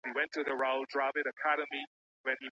د درو شيانو جديت هم جديت دی او ټوکي ئې هم جديت دی.